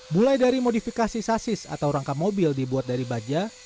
mulai dari modifikasi sasis atau rangka mobil dibuat dari baja